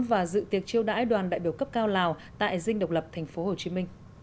và dự tiệc chiêu đãi đoàn đại biểu cấp cao lào tại dinh độc lập tp hcm